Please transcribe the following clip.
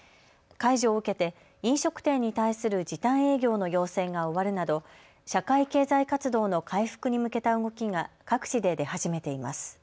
解除を受けて飲食店に対する時短営業の要請が終わるなど社会経済活動の回復に向けた動きが各地で出始めています。